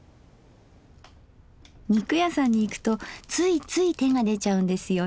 肉屋さんに行くとついつい手が出ちゃうんですよ